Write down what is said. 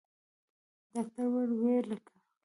ډاکتر وويل ويې ليکه.